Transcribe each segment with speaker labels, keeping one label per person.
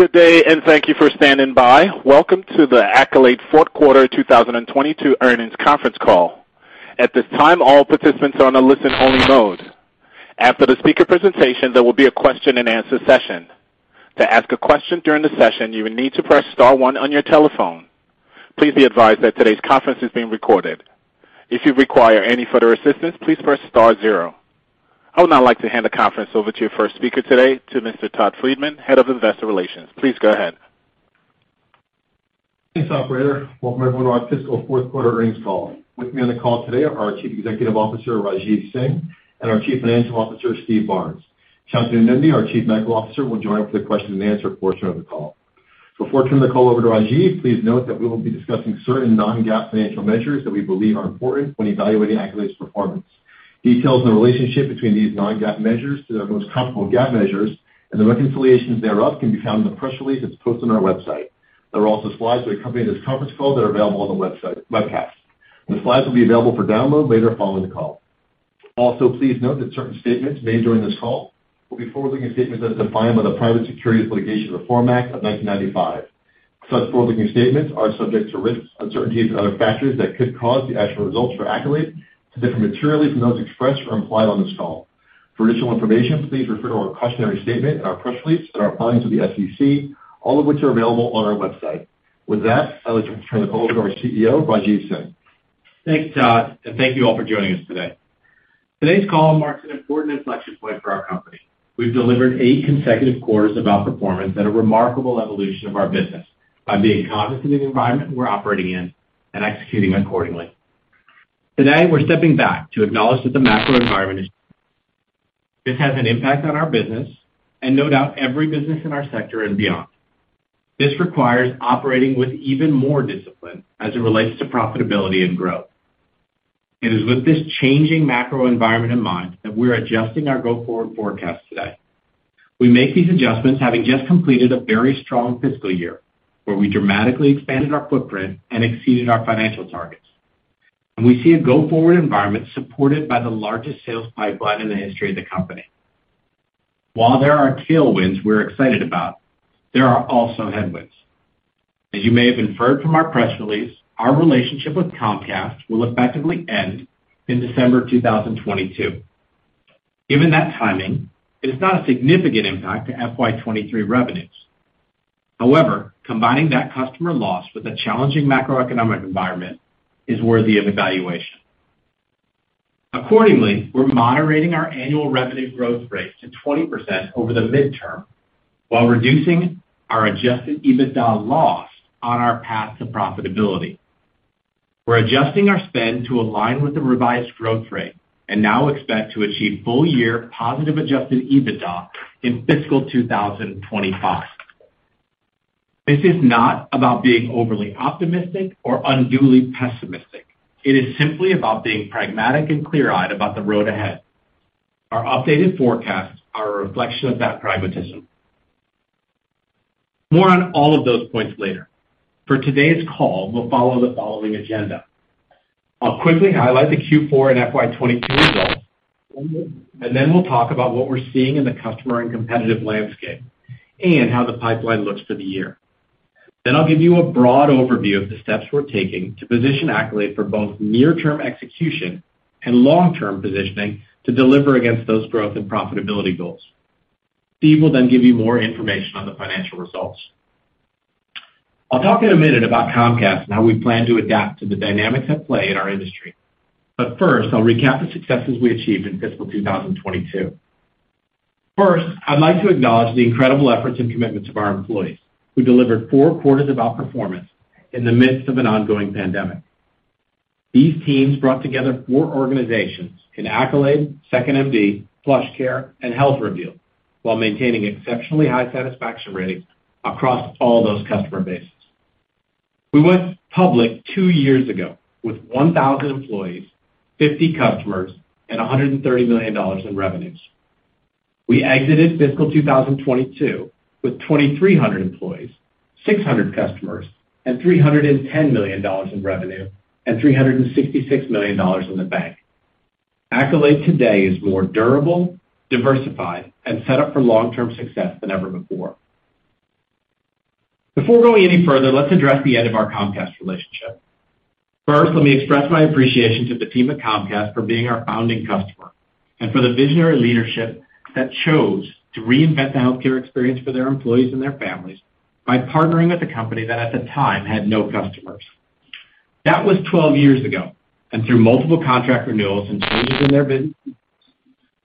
Speaker 1: Good day, and thank you for standing by. Welcome to the Accolade Q4 2022 Earnings Conference Call. At this time, all participants are on a listen only mode. After the speaker presentation, there will be a question-and-answer session. To ask a question during the session, you will need to press star one on your telephone. Please be advised that today's conference is being recorded. If you require any further assistance, please press star zero. I would now like to hand the conference over to your first speaker today, to Mr. Todd Friedman, Head of Investor Relations. Please go ahead.
Speaker 2: Thanks, operator. Welcome everyone to our fiscal fourth quarter earnings call. With me on the call today are our Chief Executive Officer, Rajeev Singh, and our Chief Financial Officer, Steve Barnes. Shantanu Nundy, our Chief Medical Officer, will join us for the question-and-answer portion of the call. Before I turn the call over to Rajeev, please note that we will be discussing certain non-GAAP financial measures that we believe are important when evaluating Accolade's performance. Details in the relationship between these non-GAAP measures to their most comparable GAAP measures and the reconciliations thereof can be found in the press release that's posted on our website. There are also slides that accompany this conference call that are available on the webcast. The slides will be available for download later following the call. Also, please note that certain statements made during this call will be forward-looking statements as defined by the Private Securities Litigation Reform Act of 1995. Such forward-looking statements are subject to risks, uncertainties and other factors that could cause the actual results for Accolade to differ materially from those expressed or implied on this call. For additional information, please refer to our cautionary statement in our press release and our filings with the SEC, all of which are available on our website. With that, I would like to turn the call over to our CEO, Rajeev Singh.
Speaker 3: Thanks, Todd, and thank you all for joining us today. Today's call marks an important inflection point for our company. We've delivered eight consecutive quarters of outperformance and a remarkable evolution of our business by being cognizant of the environment we're operating in and executing accordingly. Today, we're stepping back to acknowledge that the macro environment is. This has an impact on our business and no doubt every business in our sector and beyond. This requires operating with even more discipline as it relates to profitability and growth. It is with this changing macro environment in mind that we're adjusting our go-forward forecast today. We make these adjustments having just completed a very strong fiscal year, where we dramatically expanded our footprint and exceeded our financial targets. We see a go-forward environment supported by the largest sales pipeline in the history of the company. While there are tailwinds we're excited about, there are also headwinds. As you may have inferred from our press release, our relationship with Comcast will effectively end in December 2022. Given that timing, it is not a significant impact to FY 2023 revenues. However, combining that customer loss with a challenging macroeconomic environment is worthy of evaluation. Accordingly, we're moderating our annual revenue growth rate to 20% over the midterm while reducing our adjusted EBITDA loss on our path to profitability. We're adjusting our spend to align with the revised growth rate and now expect to achieve full year positive adjusted EBITDA in fiscal 2025. This is not about being overly optimistic or unduly pessimistic. It is simply about being pragmatic and clear-eyed about the road ahead. Our updated forecasts are a reflection of that pragmatism. More on all of those points later. For today's call, we'll follow the following agenda. I'll quickly highlight the Q4 and FY 2023 results, and then we'll talk about what we're seeing in the customer and competitive landscape and how the pipeline looks for the year. I'll give you a broad overview of the steps we're taking to position Accolade for both near term execution and long-term positioning to deliver against those growth and profitability goals. Steve will then give you more information on the financial results. I'll talk in a minute about Comcast and how we plan to adapt to the dynamics at play in our industry. First, I'll recap the successes we achieved in fiscal 2022. First, I'd like to acknowledge the incredible efforts and commitments of our employees, who delivered four quarters of outperformance in the midst of an ongoing pandemic. These teams brought together four organizations in Accolade, 2nd.MD, PlushCare, and HealthReveal, while maintaining exceptionally high satisfaction rates across all those customer bases. We went public two years ago with 1,000 employees, 50 customers, and $130 million in revenues. We exited fiscal 2022 with 2,300 employees, 600 customers, and $310 million in revenue, and $366 million in the bank. Accolade today is more durable, diversified, and set up for long-term success than ever before. Before going any further, let's address the end of our Comcast relationship. First, let me express my appreciation to the team at Comcast for being our founding customer and for the visionary leadership that chose to reinvent the healthcare experience for their employees and their families by partnering with a company that, at the time, had no customers. That was 12 years ago, and through multiple contract renewals and changes in their business,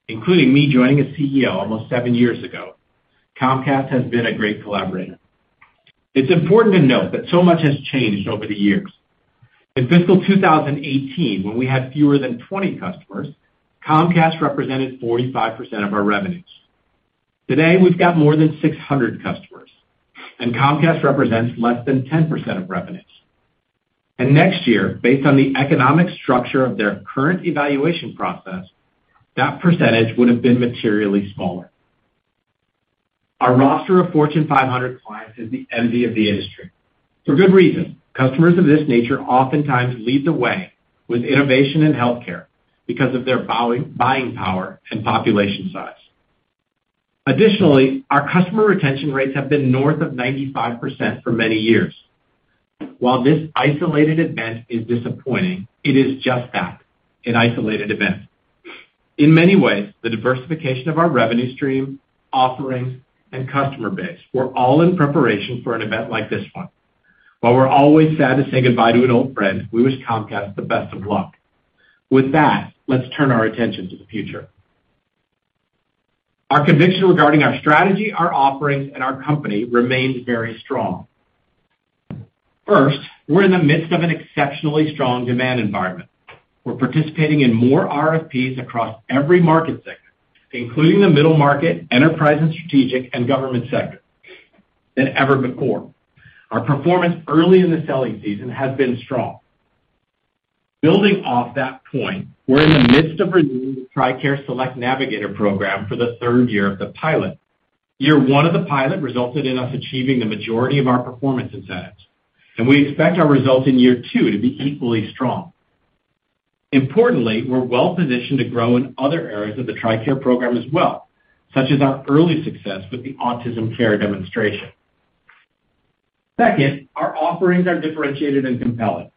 Speaker 3: including me joining as CEO almost 7 years ago, Comcast has been a great collaborator. It's important to note that so much has changed over the years. In fiscal 2018, when we had fewer than 20 customers, Comcast represented 45% of our revenues. Today, we've got more than 600 customers, and Comcast represents less than 10% of revenues. Next year, based on the economic structure of their current evaluation process, that percentage would have been materially smaller. Our roster of Fortune 500 clients is the envy of the industry. For good reason, customers of this nature oftentimes lead the way with innovation in healthcare because of their buying power and population size. Additionally, our customer retention rates have been north of 95% for many years. While this isolated event is disappointing, it is just that, an isolated event. In many ways, the diversification of our revenue stream, offerings, and customer base were all in preparation for an event like this one. While we're always sad to say goodbye to an old friend, we wish Comcast the best of luck. With that, let's turn our attention to the future. Our conviction regarding our strategy, our offerings, and our company remains very strong. First, we're in the midst of an exceptionally strong demand environment. We're participating in more RFPs across every market sector, including the middle market, enterprise and strategic, and government sector than ever before. Our performance early in the selling season has been strong. Building off that point, we're in the midst of renewing the TRICARE Select Navigator program for the third year of the pilot. Year one of the pilot resulted in us achieving the majority of our performance incentives, and we expect our results in year two to be equally strong. Importantly, we're well-positioned to grow in other areas of the TRICARE program as well, such as our early success with the Autism Care Demonstration. Second, our offerings are differentiated and compelling.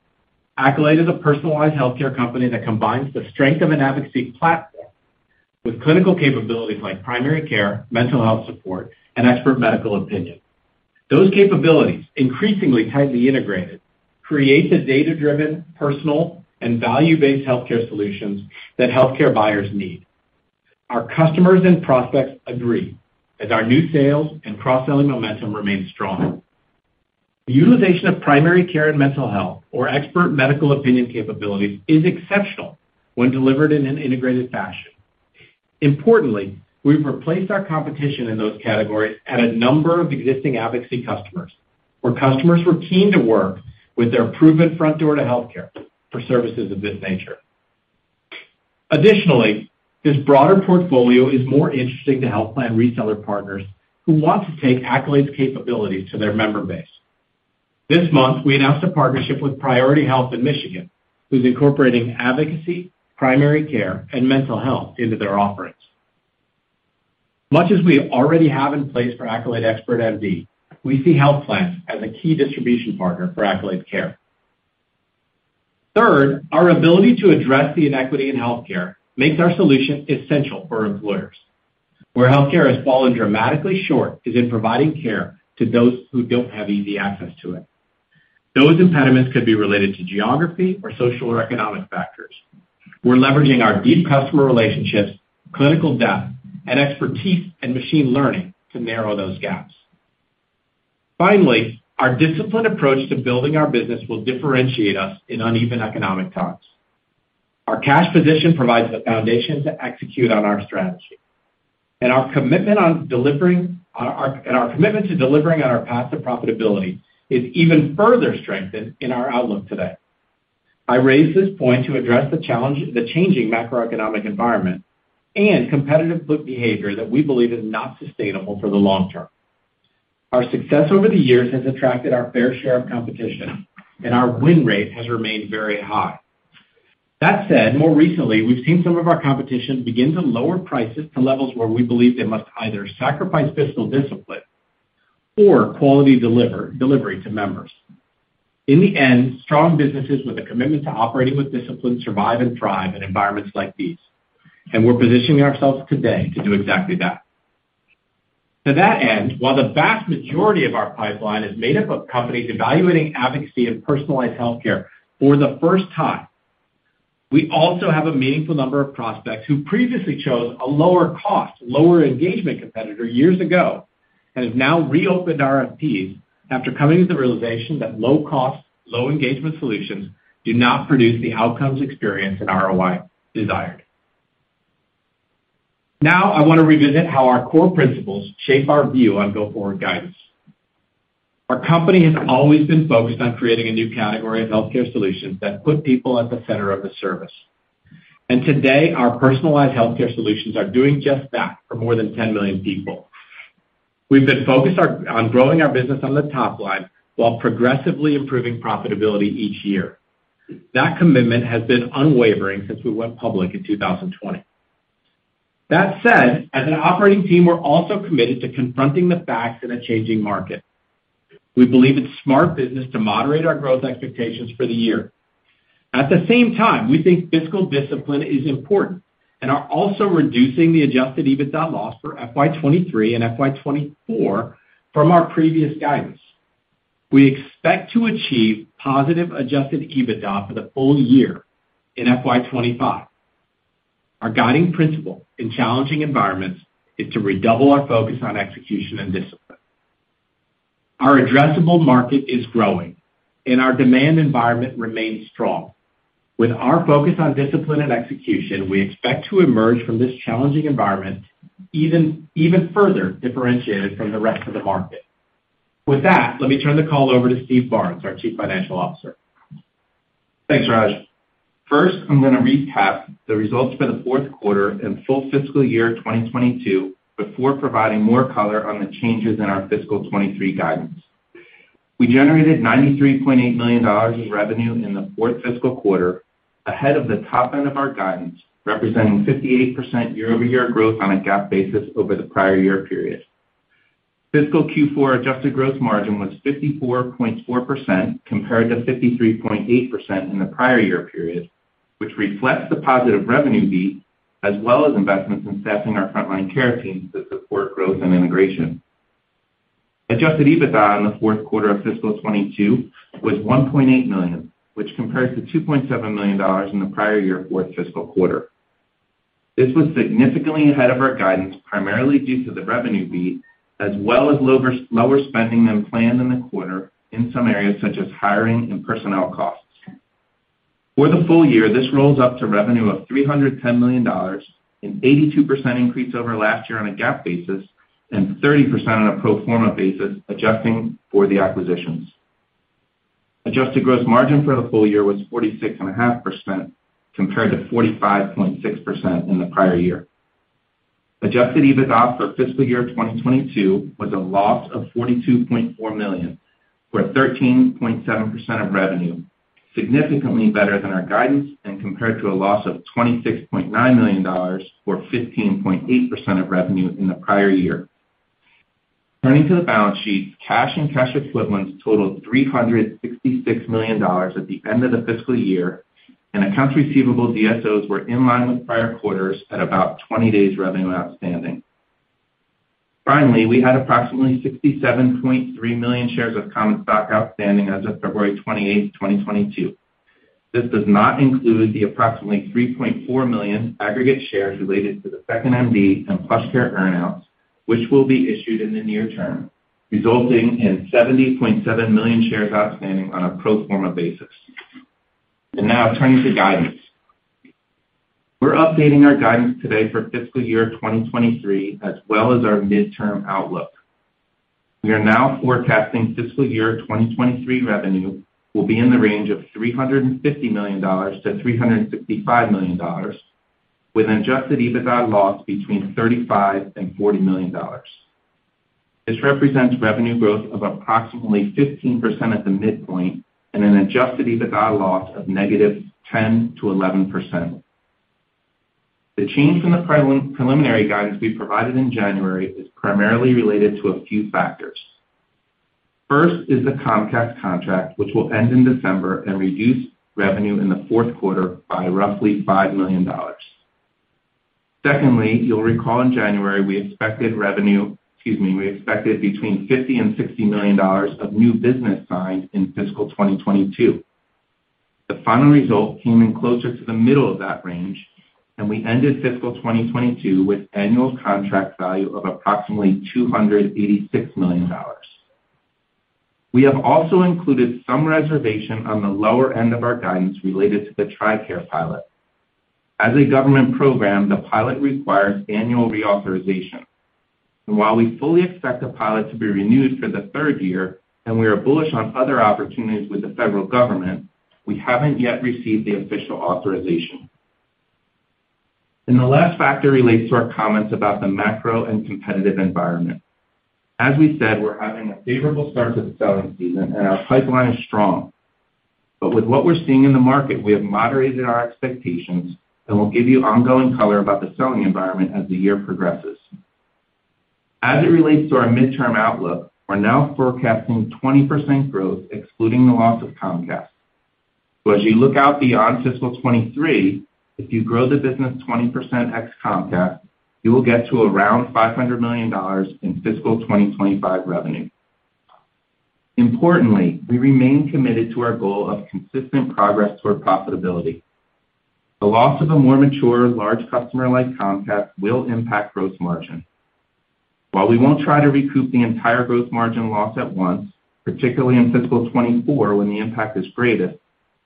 Speaker 3: Accolade is a personalized healthcare company that combines the strength of an advocacy platform with clinical capabilities like primary care, mental health support, and expert medical opinion. Those capabilities, increasingly tightly integrated, create the data-driven, personal, and value-based healthcare solutions that healthcare buyers need. Our customers and prospects agree as our new sales and cross-selling momentum remains strong. The utilization of primary care and mental health or expert medical opinion capabilities is exceptional when delivered in an integrated fashion. Importantly, we've replaced our competition in those categories at a number of existing advocacy customers, where customers were keen to work with their proven front door to healthcare for services of this nature. Additionally, this broader portfolio is more interesting to health plan reseller partners who want to take Accolade's capabilities to their member base. This month, we announced a partnership with Priority Health in Michigan, who's incorporating advocacy, primary care, and mental health into their offerings. Much as we already have in place for Accolade Expert MD, we see health plans as a key distribution partner for Accolade Care. Third, our ability to address the inequity in healthcare makes our solution essential for employers. Where healthcare has fallen dramatically short is in providing care to those who don't have easy access to it. Those impediments could be related to geography or social or economic factors. We're leveraging our deep customer relationships, clinical depth, and expertise in machine learning to narrow those gaps. Finally, our disciplined approach to building our business will differentiate us in uneven economic times. Our cash position provides the foundation to execute on our strategy. Our commitment to delivering on our path to profitability is even further strengthened in our outlook today. I raise this point to address the challenge, the changing macroeconomic environment and competitive bid behavior that we believe is not sustainable for the long term. Our success over the years has attracted our fair share of competition, and our win rate has remained very high. That said, more recently, we've seen some of our competition begin to lower prices to levels where we believe they must either sacrifice fiscal discipline or quality delivery to members. In the end, strong businesses with a commitment to operating with discipline survive and thrive in environments like these, and we're positioning ourselves today to do exactly that. To that end, while the vast majority of our pipeline is made up of companies evaluating advocacy and personalized healthcare for the first time, we also have a meaningful number of prospects who previously chose a lower cost, lower engagement competitor years ago and have now reopened RFPs after coming to the realization that low-cost, low-engagement solutions do not produce the outcomes, experience and ROI desired. Now, I want to revisit how our core principles shape our view on go-forward guidance. Our company has always been focused on creating a new category of healthcare solutions that put people at the center of the service. Today, our personalized healthcare solutions are doing just that for more than 10 million people. We've been focused on growing our business on the top line while progressively improving profitability each year. That commitment has been unwavering since we went public in 2020. That said, as an operating team, we're also committed to confronting the facts in a changing market. We believe it's smart business to moderate our growth expectations for the year. At the same time, we think fiscal discipline is important and are also reducing the adjusted EBITDA loss for FY 2023 and FY 2024 from our previous guidance. We expect to achieve positive adjusted EBITDA for the full year in FY 2025. Our guiding principle in challenging environments is to redouble our focus on execution and discipline. Our addressable market is growing, and our demand environment remains strong. With our focus on discipline and execution, we expect to emerge from this challenging environment even further differentiated from the rest of the market. With that, let me turn the call over to Steve Barnes, our Chief Financial Officer.
Speaker 4: Thanks, Raj. First, I'm going to recap the results for the fourth quarter and full fiscal year 2022 before providing more color on the changes in our fiscal 2023 guidance. We generated $93.8 million in revenue in the fourth fiscal quarter, ahead of the top end of our guidance, representing 58% year-over-year growth on a GAAP basis over the prior year period. Fiscal Q4 adjusted gross margin was 54.4% compared to 53.8% in the prior year period, which reflects the positive revenue beat as well as investments in staffing our frontline care teams to support growth and integration. Adjusted EBITDA in theQ4 of fiscal 2022 was $1.8 million, which compares to $2.7 million in the prior year fourth fiscal quarter. This was significantly ahead of our guidance, primarily due to the revenue beat as well as lower spending than planned in the quarter in some areas such as hiring and personnel costs. For the full year, this rolls up to revenue of $310 million, an 82% increase over last year on a GAAP basis, and 30% on a pro forma basis, adjusting for the acquisitions. Adjusted gross margin for the full year was 46.5%, compared to 45.6% in the prior year. Adjusted EBITDA for fiscal year 2022 was a loss of $42.4 million, or 13.7% of revenue, significantly better than our guidance and compared to a loss of $26.9 million or 15.8% of revenue in the prior year. Turning to the balance sheet, cash and cash equivalents totaled $366 million at the end of the fiscal year, and accounts receivable DSOs were in line with prior quarters at about 20 days sales outstanding. Finally, we had approximately 67.3 million shares of common stock outstanding as of February 28, 2022. This does not include the approximately 3.4 million aggregate shares related to the 2nd.MD and PlushCare earn-outs, which will be issued in the near term, resulting in 70.7 million shares outstanding on a pro forma basis. Now turning to guidance. We're updating our guidance today for fiscal year 2023, as well as our midterm outlook. We are now forecasting fiscal year 2023 revenue will be in the range of $350 million-$365 million, with an adjusted EBITDA loss between $35 million and $40 million. This represents revenue growth of approximately 15% at the midpoint and an adjusted EBITDA loss of negative 10%-11%. The change from the preliminary guidance we provided in January is primarily related to a few factors. First is the Comcast contract, which will end in December and reduce revenue in the fourth quarter by roughly $5 million. Secondly, you'll recall in January, we expected revenue, excuse me, we expected between $50 million and $60 million of new business signed in fiscal 2022. The final result came in closer to the middle of that range, and we ended fiscal 2022 with annual contract value of approximately $286 million. We have also included some reservation on the lower end of our guidance related to the TRICARE pilot. As a government program, the pilot requires annual reauthorization. While we fully expect the pilot to be renewed for the third year and we are bullish on other opportunities with the federal government, we haven't yet received the official authorization. The last factor relates to our comments about the macro and competitive environment. As we said, we're having a favorable start to the selling season and our pipeline is strong. With what we're seeing in the market, we have moderated our expectations and will give you ongoing color about the selling environment as the year progresses. As it relates to our midterm outlook, we're now forecasting 20% growth excluding the loss of Comcast. As you look out beyond fiscal 2023, if you grow the business 20% ex Comcast, you will get to around $500 million in fiscal 2025 revenue. Importantly, we remain committed to our goal of consistent progress toward profitability. The loss of a more mature large customer like Comcast will impact gross margin. While we won't try to recoup the entire gross margin loss at once, particularly in fiscal 2024 when the impact is greatest,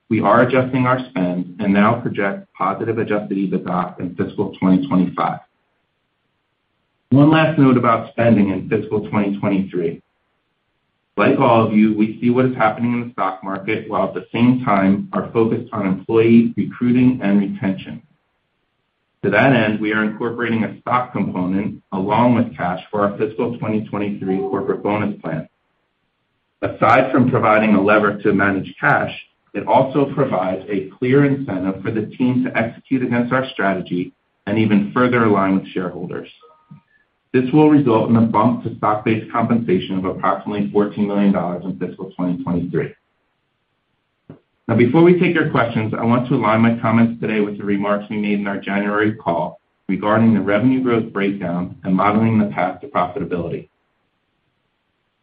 Speaker 4: we are adjusting our spend and now project positive adjusted EBITDA in fiscal 2025. One last note about spending in fiscal 2023. Like all of you, we see what is happening in the stock market, while at the same time are focused on employee recruiting and retention. To that end, we are incorporating a stock component along with cash for our fiscal 2023 corporate bonus plan. Aside from providing a lever to manage cash, it also provides a clear incentive for the team to execute against our strategy and even further align with shareholders. This will result in a bump to stock-based compensation of approximately $14 million in fiscal 2023. Now, before we take your questions, I want to align my comments today with the remarks we made in our January call regarding the revenue growth breakdown and modeling the path to profitability.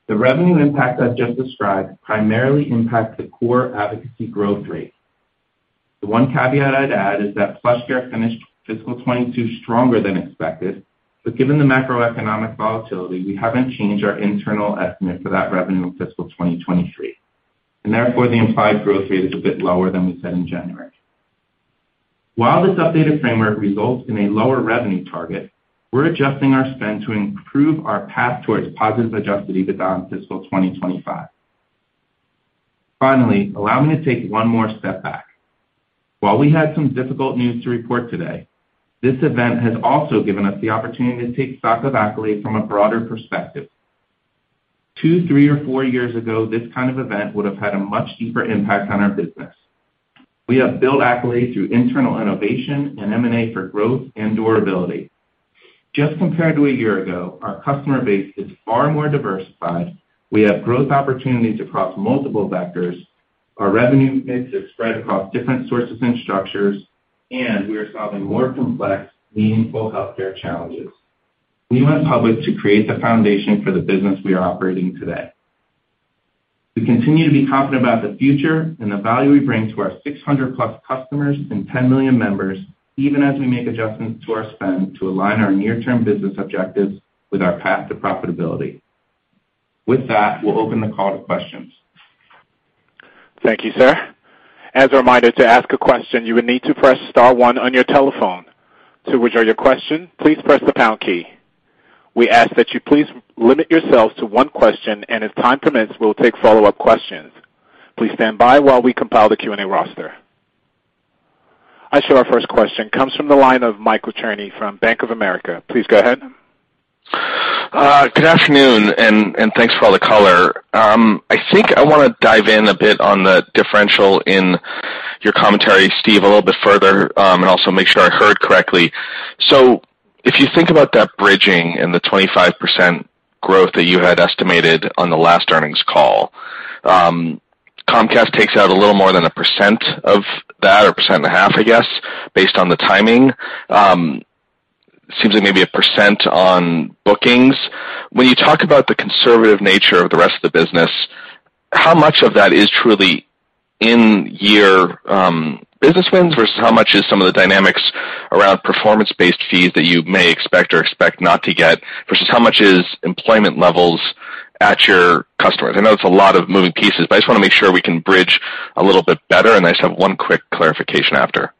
Speaker 4: The revenue impact I've just described primarily impacts the core advocacy growth rate. The one caveat I'd add is that PlushCare finished fiscal 2022 stronger than expected, but given the macroeconomic volatility, we haven't changed our internal estimate for that revenue in fiscal 2023. Therefore, the implied growth rate is a bit lower than we said in January. While this updated framework results in a lower revenue target, we're adjusting our spend to improve our path towards positive adjusted EBITDA in fiscal 2025. Finally, allow me to take one more step back. While we had some difficult news to report today, this event has also given us the opportunity to take stock of Accolade from a broader perspective. Two, three or four years ago, this kind of event would have had a much deeper impact on our business. We have built Accolade through internal innovation and M&A for growth and durability. Just compared to a year ago, our customer base is far more diversified, we have growth opportunities across multiple vectors, our revenue base is spread across different sources and structures, and we are solving more complex, meaningful healthcare challenges. We went public to create the foundation for the business we are operating today. We continue to be confident about the future and the value we bring to our 600+ customers and 10 million members, even as we make adjustments to our spend to align our near-term business objectives with our path to profitability. With that, we'll open the call to questions.
Speaker 1: Thank you, sir. As a reminder, to ask a question, you would need to press star one on your telephone. To withdraw your question, please press the pound key. We ask that you please limit yourselves to one question, and as time permits, we'll take follow-up questions. Please stand by while we compile the Q&A roster. Our first question comes from the line of Michael Wiederhorn from Bank of America. Please go ahead.
Speaker 5: Good afternoon, and thanks for all the color. I think I want to dive in a bit on the differential in your commentary, Steve, a little bit further, and also make sure I heard correctly. If you think about that bridging and the 25% growth that you had estimated on the last earnings call, Comcast takes out a little more than 1% of that, or 1.5%, I guess, based on the timing. Seems like maybe 1% on bookings. When you talk about the conservative nature of the rest of the business, how much of that is truly in year, business wins versus how much is some of the dynamics around performance-based fees that you may expect or expect not to get, versus how much is employment levels at your customers? I know that's a lot of moving pieces, but I just want to make sure we can bridge a little bit better, and I just have one quick clarification after?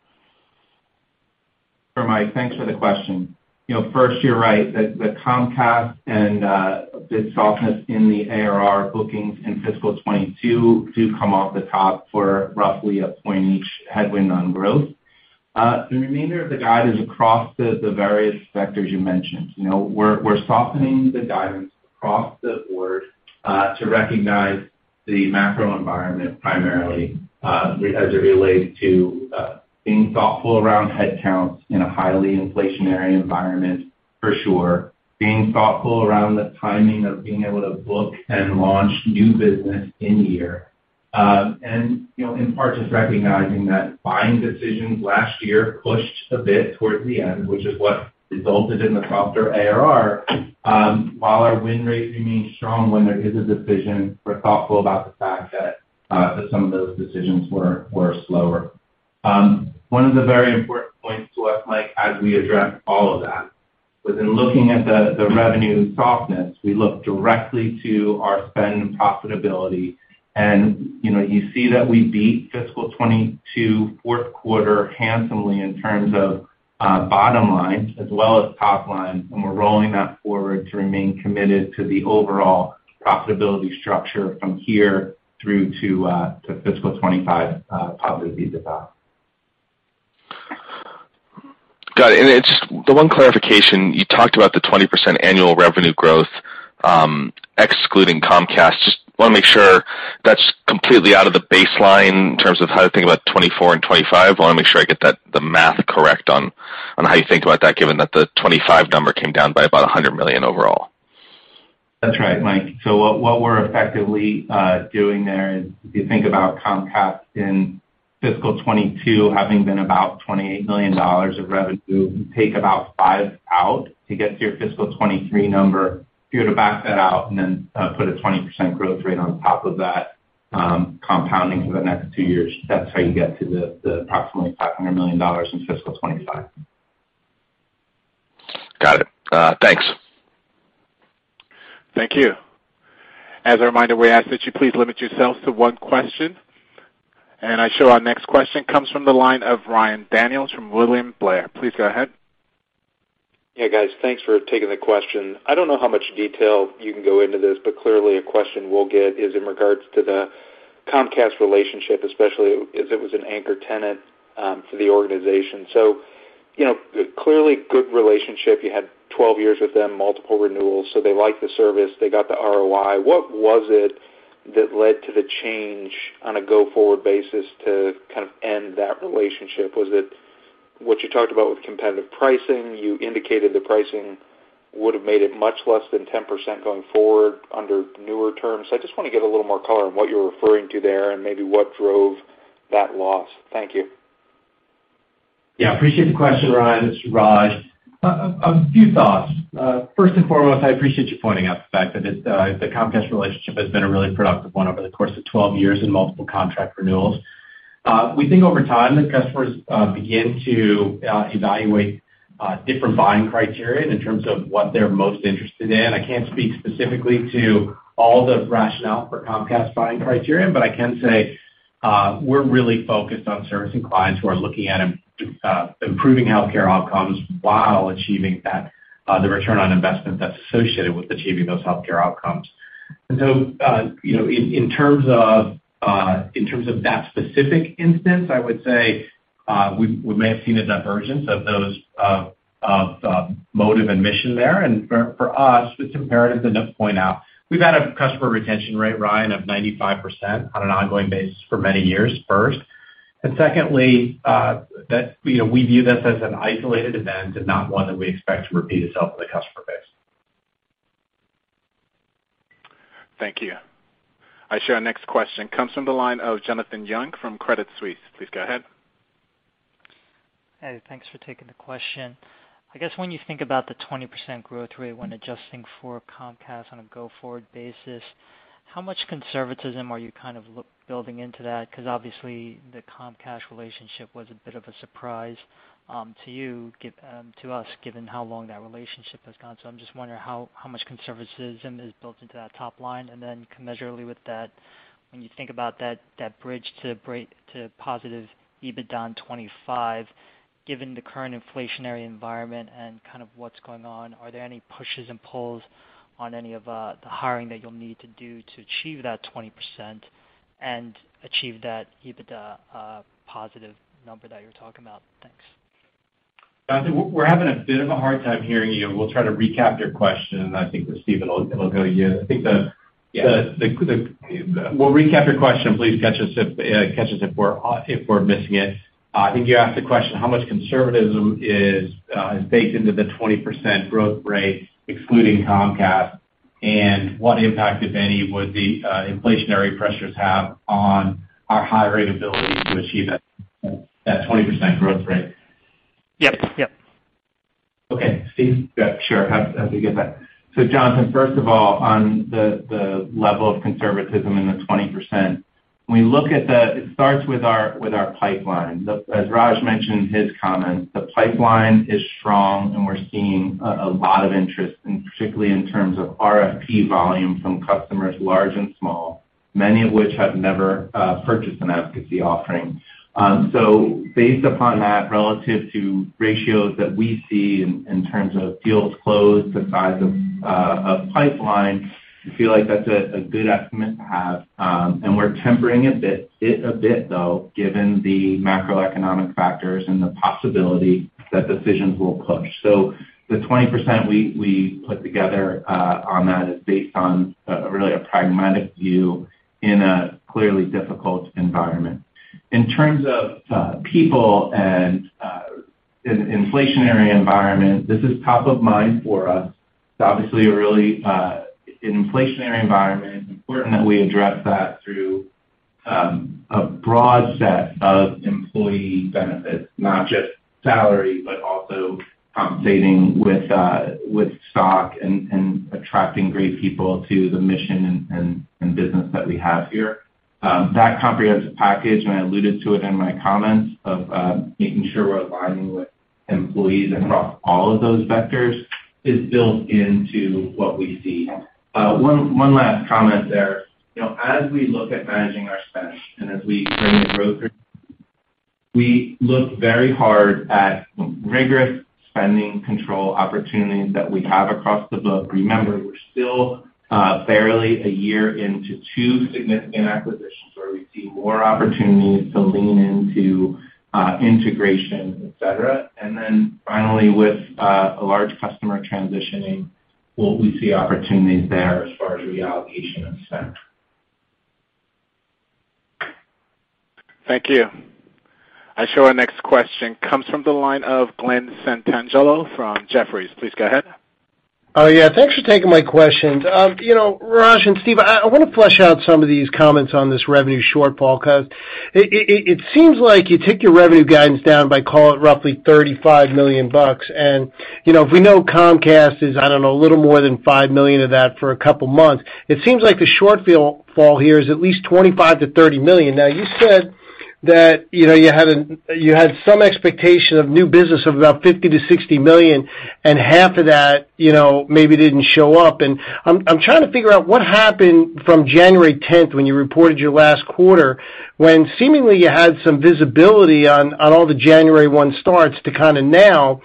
Speaker 4: Sure, Mike. Thanks for the question. You know, first, you're right. The Comcast and the softness in the ARR bookings in fiscal 2022 do come off the top for roughly a point each headwind on growth. The remainder of the guide is across the various vectors you mentioned. You know, we're softening the guidance across the board, to recognize the macro environment primarily, as it relates to being thoughtful around headcounts in a highly inflationary environment, for sure. Being thoughtful around the timing of being able to book and launch new business in-year. You know, in part just recognizing that buying decisions last year pushed a bit towards the end, which is what resulted in the softer ARR. While our win rate remains strong when there is a decision, we're thoughtful about the fact that some of those decisions were slower. One of the very important points to us, Mike, as we address all of that was in looking at the revenue softness, we look directly to our spend and profitability. You know, you see that we beat fiscal 2022 fourth quarter handsomely in terms of bottom line as well as top line, and we're rolling that forward to remain committed to the overall profitability structure from here through to fiscal 2025 positive EBITDA.
Speaker 5: Got it. It's the one clarification. You talked about the 20% annual revenue growth, excluding Comcast. Just want to make sure that's completely out of the baseline in terms of how to think about 2024 and 2025. Want to make sure I get that, the math correct on how you think about that, given that the 2025 number came down by about $100 million overall.
Speaker 4: That's right, Mike. What we're effectively doing there is if you think about Comcast in fiscal 2022 having been about $28 million of revenue, you take about five out to get to your fiscal 2023 number. If you were to back that out and then put a 20% growth rate on top of that, compounding for the next two years, that's how you get to the approximately $500 million in fiscal 2025.
Speaker 5: Got it. Thanks.
Speaker 1: Thank you. As a reminder, we ask that you please limit yourself to one question. I show our next question comes from the line of Ryan Daniels from William Blair. Please go ahead.
Speaker 6: Yeah, guys, thanks for taking the question. I don't know how much detail you can go into this, but clearly a question we'll get is in regards to the Comcast relationship, especially as it was an anchor tenant for the organization. You know, clearly good relationship. You had 12 years with them, multiple renewals, so they like the service. They got the ROI. What was it that led to the change on a go-forward basis to kind of end that relationship? Was it what you talked about with competitive pricing? You indicated the pricing would have made it much less than 10% going forward under newer terms. I just want to get a little more color on what you're referring to there and maybe what drove that loss? Thank you.
Speaker 3: Yeah, appreciate the question, Ryan. It's Raj. A few thoughts. First and foremost, I appreciate you pointing out the fact that the Comcast relationship has been a really productive one over the course of 12 years in multiple contract renewals. We think over time that customers begin to evaluate different buying criterion in terms of what they're most interested in. I can't speak specifically to all the rationale for Comcast buying criterion, but I can say We're really focused on servicing clients who are looking at improving healthcare outcomes while achieving that, the return on investment that's associated with achieving those healthcare outcomes. You know, in terms of that specific instance, I would say, we may have seen a divergence of those motive and mission there. For us, it's imperative to point out, we've had a customer retention rate, Ryan, of 95% on an ongoing basis for many years, first. Secondly, you know, we view this as an isolated event and not one that we expect to repeat itself with the customer base.
Speaker 1: Thank you. I show our next question comes from the line of Jonathan Yong from Credit Suisse. Please go ahead.
Speaker 7: Hey, thanks for taking the question. I guess when you think about the 20% growth rate when adjusting for Comcast on a go-forward basis, how much conservatism are you kind of building into that? 'Cause obviously, the Comcast relationship was a bit of a surprise to you, to us, given how long that relationship has gone. I'm just wondering how much conservatism is built into that top line. Commensurately with that, when you think about that bridge to breakeven to positive EBITDA in 2025, given the current inflationary environment and kind of what's going on, are there any pushes and pulls on any of the hiring that you'll need to do to achieve that 20% and achieve that EBITDA positive number that you're talking about? Thanks.
Speaker 3: Jonathan, we're having a bit of a hard time hearing you. We'll try to recap your question, and I think that Steve will go you.
Speaker 4: Yeah.
Speaker 3: We'll recap your question. Please catch us if we're missing it. I think you asked the question how much conservatism is baked into the 20% growth rate, excluding Comcast, and what impact, if any, would the inflationary pressures have on our hiring ability to achieve that 20% growth rate?
Speaker 7: Yep. Yep.
Speaker 3: Okay. Steve?
Speaker 4: Yeah, sure. Happy to get that. Jonathan, first of all, on the level of conservatism in the 20%, it starts with our pipeline. As Raj mentioned in his comments, the pipeline is strong, and we're seeing a lot of interest, and particularly in terms of RFP volume from customers large and small, many of which have never purchased an advocacy offering. Based upon that, relative to ratios that we see in terms of deals closed, the size of pipeline, we feel like that's a good estimate to have. We're tempering it a bit, though, given the macroeconomic factors and the possibility that decisions will push. The 20% we put together on that is based on really a pragmatic view in a clearly difficult environment. In terms of people and in an inflationary environment, this is top of mind for us. Obviously, a really an inflationary environment, it's important that we address that through a broad set of employee benefits, not just salary, but also compensating with stock and attracting great people to the mission and business that we have here. That comprehensive package, and I alluded to it in my comments of making sure we're aligning with employees across all of those vectors, is built into what we see. One last comment there. You know, as we look at managing our spend and as we plan the growth, we look very hard at rigorous spending control opportunities that we have across the book. Remember, we're still barely a year into two significant acquisitions where we see more opportunities to lean into integration, et cetera. Finally, with a large customer transitioning, will we see opportunities there as far as reallocation of spend. Thank you.
Speaker 1: Our next question comes from the line of Glen Santangelo from Jefferies. Please go ahead.
Speaker 8: Oh, yeah. Thanks for taking my questions. Raj and Steve, I wanna flesh out some of these comments on this revenue shortfall 'cause it seems like you took your revenue guidance down by, call it, roughly $35 million. If we know Comcast is, I don't know, a little more than $5 million of that for a couple months, it seems like the shortfall here is at least $25 million-$30 million. Now, you said that you had some expectation of new business of about $50 million-$60 million and half of that, maybe didn't show up. I'm trying to figure out what happened from January tenth when you reported your last quarter when seemingly you had some visibility on all the January one starts to kind of now.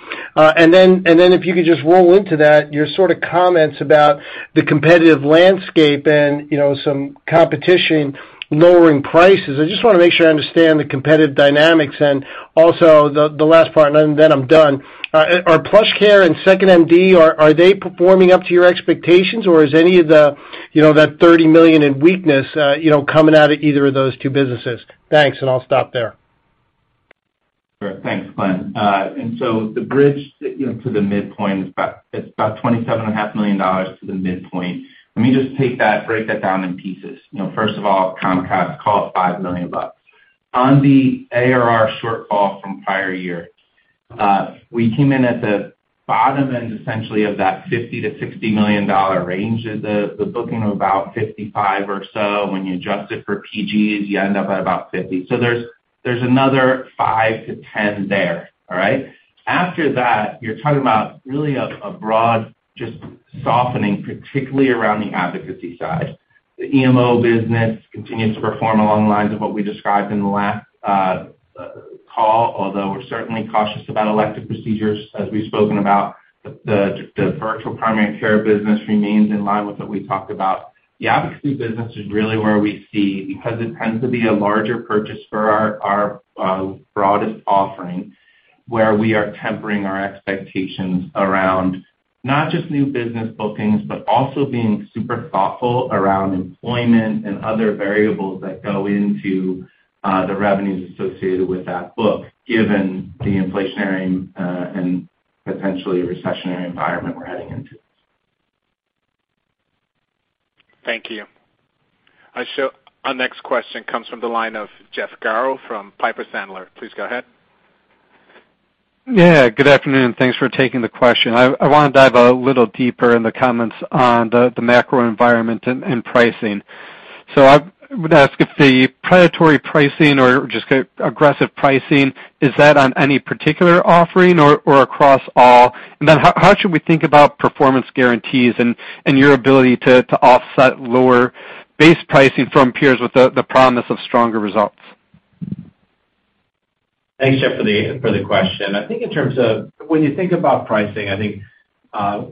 Speaker 8: If you could just roll into that, your sort of comments about the competitive landscape and, you know, some competition lowering prices. I just want to make sure I understand the competitive dynamics. Also the last part. I'm done. Are PlushCare and 2nd.MD performing up to your expectations or is any of the, you know, that $30 million in weakness, you know, coming out of either of those two businesses? Thanks, and I'll stop there.
Speaker 3: Sure. Thanks, Glenn. The bridge, you know, to the midpoint is about, it's about twenty-seven and a half million dollars to the midpoint. Let me just take that, break that down in pieces. You know, first of all, Comcast cost $5 million. On the ARR shortfall from prior year, we came in at the bottom end essentially of that $50-$60 million range of the booking of about 55 or so. When you adjust it for PGs, you end up at about 50. There's another $5-$10 million there, all right? After that, you're talking about really a broad just softening, particularly around the advocacy side. The EMO business continues to perform along the lines of what we described in the last call, although we're certainly cautious about elective procedures as we've spoken about. The virtual primary care business remains in line with what we talked about. The advocacy business is really where we see, because it tends to be a larger purchase for our broadest offering, where we are tempering our expectations around not just new business bookings, but also being super thoughtful around employment and other variables that go into the revenues associated with that book, given the inflationary and potentially recessionary environment we're heading into.
Speaker 1: Thank you. Aisha, our next question comes from the line of Jeff Garro from Piper Sandler. Please go ahead.
Speaker 9: Yeah, good afternoon. Thanks for taking the question. I want to dive a little deeper in the comments on the macro environment and pricing. I would ask if the predatory pricing or just aggressive pricing, is that on any particular offering or across all? How should we think about performance guarantees and your ability to offset lower base pricing from peers with the promise of stronger results?
Speaker 3: Thanks, Jeff, for the question. I think in terms of when you think about pricing, I think,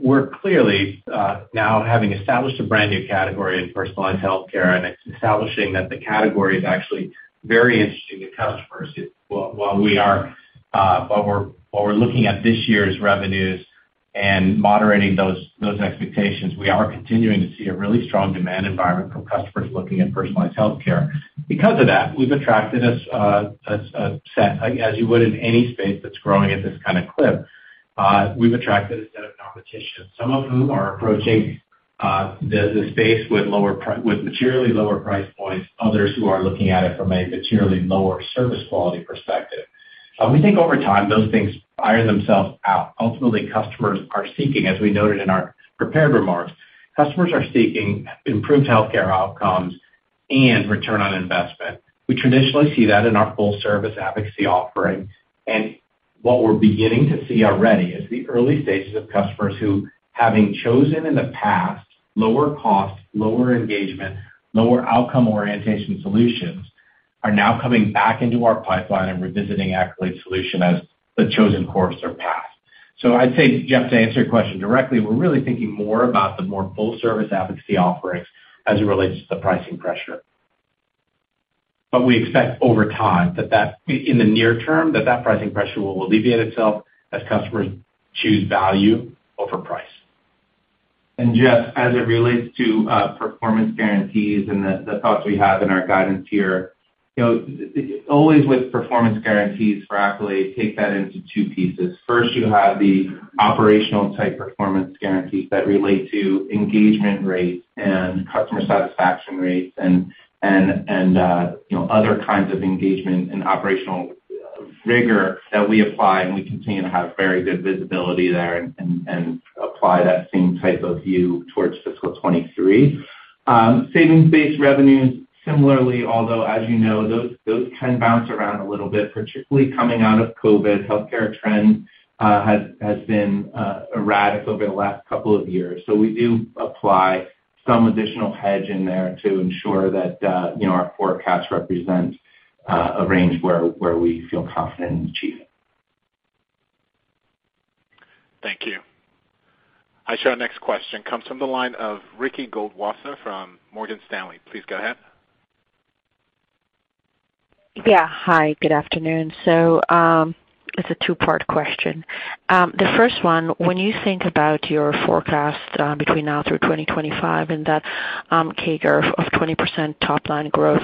Speaker 3: we're clearly, now having established a brand new category in personalized healthcare and establishing that the category is actually very interesting to customers. While we're looking at this year's revenues and moderating those expectations, we are continuing to see a really strong demand environment from customers looking at personalized healthcare. Because of that, we've attracted a set, as you would in any space that's growing at this kind of clip, of competition, some of whom are approaching the space with materially lower price points, others who are looking at it from a materially lower service quality perspective. We think over time, those things iron themselves out. Ultimately, as we noted in our prepared remarks, customers are seeking improved healthcare outcomes and return on investment. We traditionally see that in our full service advocacy offering. What we're beginning to see already is the early stages of customers who, having chosen in the past lower cost, lower engagement, lower outcome orientation solutions, are now coming back into our pipeline and revisiting Accolade solution as the chosen course or path. I'd say, Jeff, to answer your question directly, we're really thinking more about the full service advocacy offerings as it relates to the pricing pressure. We expect over time that in the near term, that pricing pressure will alleviate itself as customers choose value over price. Jeff, as it relates to performance guarantees and the thoughts we have in our guidance here, you know, always with performance guarantees for Accolade, take that into two pieces. First, you have the operational type performance guarantees that relate to engagement rates and customer satisfaction rates and you know, other kinds of engagement and operational rigor that we apply, and we continue to have very good visibility there and apply that same type of view towards fiscal 2023. Savings-based revenues, similarly, although as you know, those can bounce around a little bit, particularly coming out of COVID, healthcare trend has been erratic over the last couple of years. We do apply some additional hedge in there to ensure that you know, our forecast represents a range where we feel confident in achieving.
Speaker 1: Thank you. Aisha, our next question comes from the line of Ricky Goldwasser from Morgan Stanley. Please go ahead.
Speaker 10: Yeah. Hi, good afternoon. It's a two-part question. The first one, when you think about your forecast, between now through 2025 and that CAGR of 20% top line growth,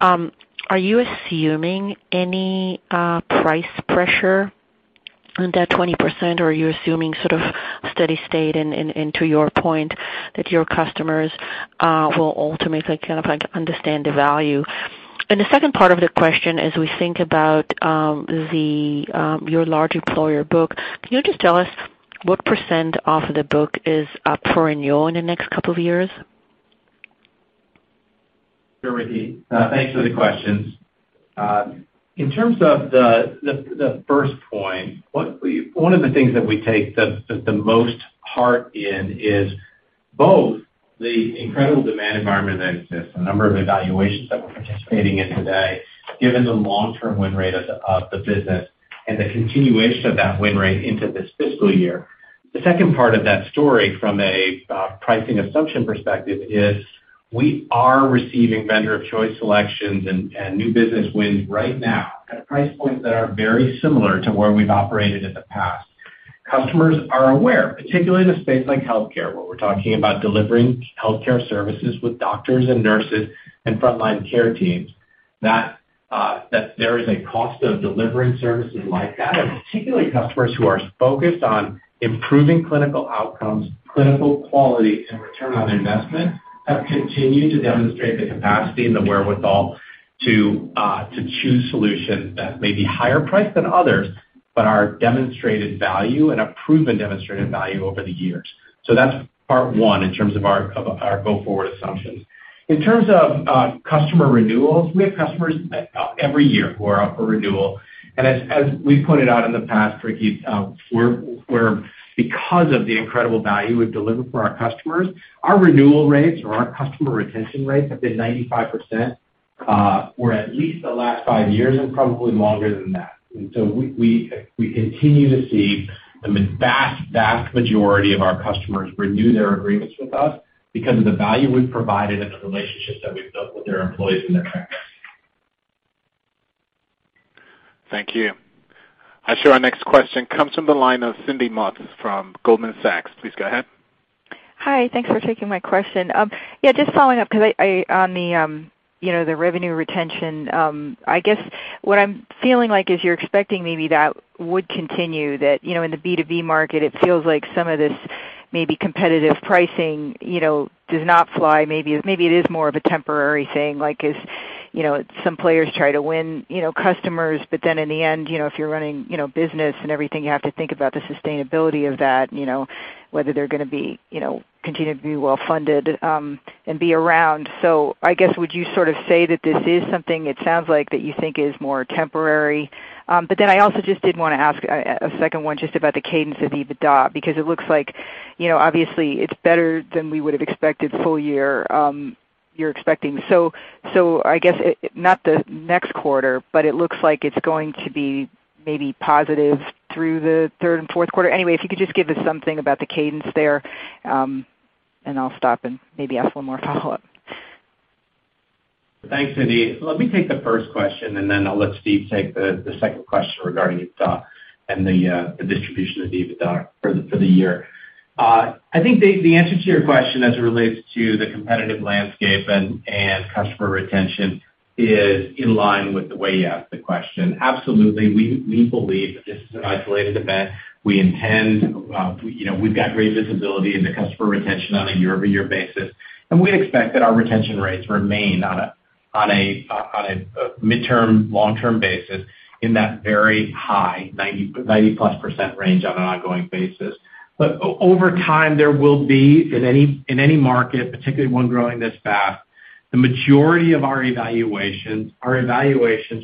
Speaker 10: are you assuming any price pressure on that 20%, or are you assuming sort of steady state and to your point that your customers will ultimately kind of, like, understand the value? The second part of the question, as we think about your large employer book, can you just tell us what % of the book is up for renewal in the next couple of years?
Speaker 3: Sure, Ricky. Thanks for the questions. In terms of the first point, one of the things that we take most to heart is both the incredible demand environment that exists, the number of evaluations that we're participating in today, given the long-term win rate of the business and the continuation of that win rate into this fiscal year. The second part of that story from a pricing assumption perspective is we are receiving vendor of choice selections and new business wins right now at price points that are very similar to where we've operated in the past. Customers are aware, particularly in a space like healthcare, where we're talking about delivering healthcare services with doctors and nurses and frontline care teams, that there is a cost of delivering services like that. Particularly customers who are focused on improving clinical outcomes, clinical quality and return on investment have continued to demonstrate the capacity and the wherewithal to choose solutions that may be higher priced than others. Our demonstrated value and a proven demonstrated value over the years. That's part one in terms of our go-forward assumptions. In terms of customer renewals, we have customers that every year who are up for renewal. As we pointed out in the past, Ricky, we're because of the incredible value we've delivered for our customers, our renewal rates or our customer retention rates have been 95% for at least the last five years and probably longer than that. We continue to see the vast majority of our customers renew their agreements with us because of the value we've provided and the relationships that we've built with their employees and their members.
Speaker 1: Thank you. Our next question comes from the line of Cindy Motz from Goldman Sachs. Please go ahead.
Speaker 11: Hi. Thanks for taking my question. Yeah, just following up because on the, you know, the revenue retention, I guess what I'm feeling like is you're expecting maybe that would continue that, you know, in the B2B market, it feels like some of this maybe competitive pricing, you know, does not fly, maybe it is more of a temporary thing, like as, you know, some players try to win, you know, customers, but then in the end, you know, if you're running, you know, business and everything, you have to think about the sustainability of that, you know, whether they're going to be, you know, continue to be well-funded, and be around. I guess, would you sort of say that this is something it sounds like that you think is more temporary? I also just did want to ask a second one just about the cadence of EBITDA because it looks like, obviously it's better than we would have expected full year, you're expecting. I guess not the next quarter, but it looks like it's going to be maybe positive through the third and fourth quarter. Anyway, if you could just give us something about the cadence there, and I'll stop and maybe ask one more follow-up.
Speaker 3: Thanks, Cindy. Let me take the first question, and then I'll let Steve take the second question regarding EBITDA and the distribution of the EBITDA for the year. I think the answer to your question as it relates to the competitive landscape and customer retention is in line with the way you asked the question. Absolutely, we believe that this is an isolated event. We intend, you know, we've got great visibility in the customer retention on a year-over-year basis, and we expect that our retention rates remain on a midterm, long-term basis in that very high 90%+ range on an ongoing basis. Over time, there will be in any market, particularly one growing this fast, the majority of our evaluations are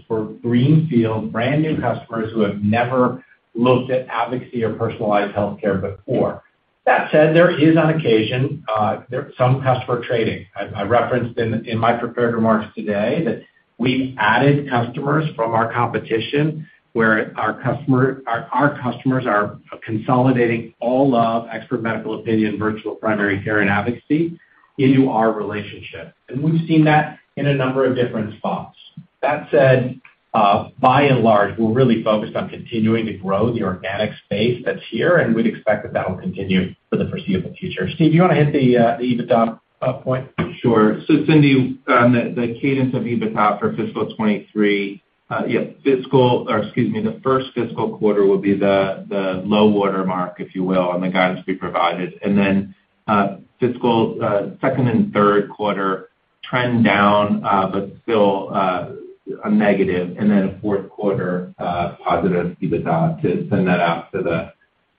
Speaker 3: for greenfield brand new customers who have never looked at advocacy or personalized healthcare before. That said, there is on occasion some customer trading. I referenced in my prepared remarks today that we've added customers from our competition where our customers are consolidating all of expert medical opinion, virtual primary care and advocacy into our relationship. We've seen that in a number of different spots. That said, by and large, we're really focused on continuing to grow the organic space that's here, and we'd expect that will continue for the foreseeable future. Steve, you want to hit the EBITDA point? Sure.
Speaker 4: Cindy, on the cadence of EBITDA for fiscal 2023, the first fiscal quarter will be the low water mark, if you will, on the guidance we provided. Then, fiscal second and third quarter trend down, but still a negative and then a fourth quarter positive EBITDA to end that out to the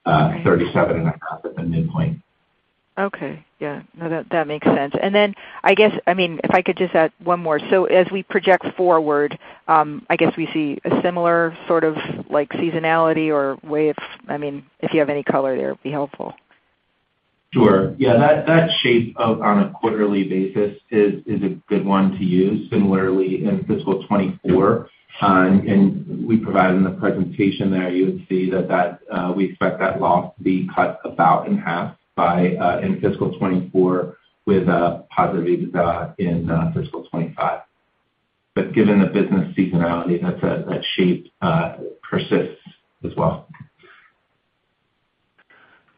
Speaker 4: $37.5 at the midpoint.
Speaker 11: Okay. Yeah. No, that makes sense. I guess, I mean, if I could just add one more. As we project forward, I guess we see a similar sort of like seasonality. I mean, if you have any color there, it'd be helpful.
Speaker 3: Sure. Yeah, that shape on a quarterly basis is a good one to use similarly in fiscal 2024. We provide in the presentation there. You would see that we expect that loss to be cut about in half by in fiscal 2024 with a positive EBITDA in fiscal 2025. Given the business seasonality, that shape persists as well.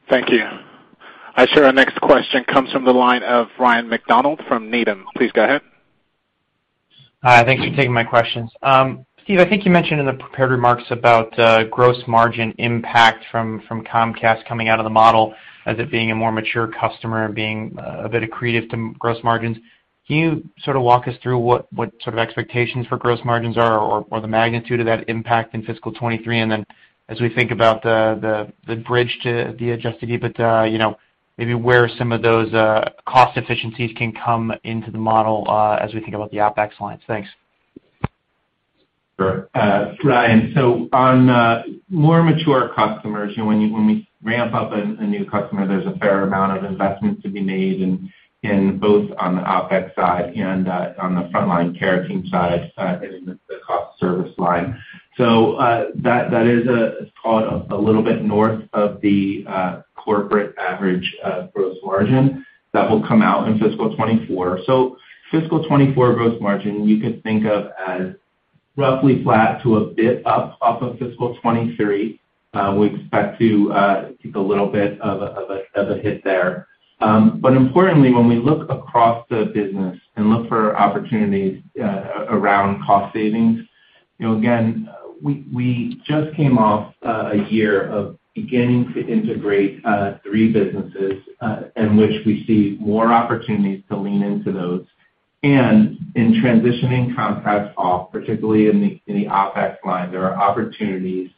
Speaker 1: Thank you. Our next question comes from the line of Ryan MacDonald from Needham. Please go ahead.
Speaker 12: Hi. Thanks for taking my questions. Steve, I think you mentioned in the prepared remarks about gross margin impact from Comcast coming out of the model as it being a more mature customer being a bit accretive to gross margins. Can you sort of walk us through what sort of expectations for gross margins are or the magnitude of that impact in fiscal 2023? Then as we think about the bridge to the adjusted EBITDA, you know, maybe where some of those cost efficiencies can come into the model as we think about the OpEx lines. Thanks.
Speaker 4: Sure. Ryan, so on more mature customers, you know, when we ramp up a new customer, there's a fair amount of investments to be made in both on the OpEx side and on the frontline care team side and in the customer service line. That is a little bit north of the corporate average gross margin that will come out in fiscal 2024. Fiscal 2024 gross margin, you could think of as roughly flat to a bit up off of fiscal 2023. We expect to take a little bit of a hit there.
Speaker 3: Importantly, when we look across the business and look for opportunities around cost savings, you know, again, we just came off a year of beginning to integrate three businesses in which we see more opportunities to lean into those. In transitioning contracts off, particularly in the OpEx line, there are opportunities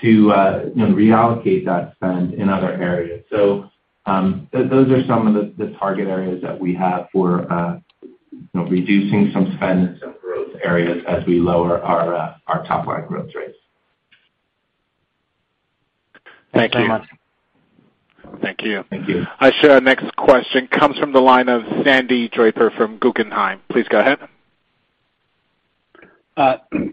Speaker 3: to, you know, reallocate that spend in other areas. Those are some of the target areas that we have for, you know, reducing some spend in some growth areas as we lower our top line growth rates.
Speaker 12: Thank you.
Speaker 3: Thank you.
Speaker 4: Thank you.
Speaker 1: Our next question comes from the line of Sandy Draper from Guggenheim. Please go ahead.